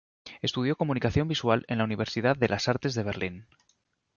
Estudió comunicación visual en la Universidad de las Artes de Berlín.